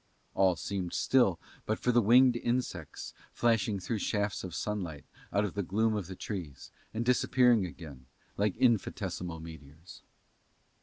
All seemed still but for the winged insects flashing through shafts of the sunlight out of the gloom of the trees and disappearing again like infinitesimal meteors.